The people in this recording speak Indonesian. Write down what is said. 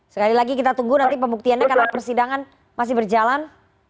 sekali lagi kita tunggu nanti pembuktiannya karena persidangan masih berjalan